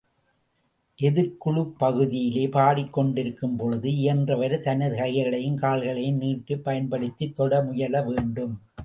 எதிர்க்குழு பகுதியிலே பாடிக் கொண்டிருக்கும் பொழுது இயன்றவரை, தனது கைகளையும் கால்களையும் நீட்டிப் பயன்படுத்தித் தொட முயல வேண்டும்.